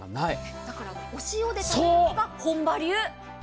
だから、お塩で食べるのが本場流。